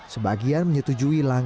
sebagian menyetujui langkahnya